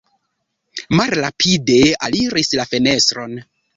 Malrapide aliris la fenestron.